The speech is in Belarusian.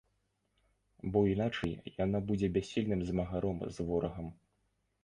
Бо іначай яна будзе бяссільным змагаром з ворагам.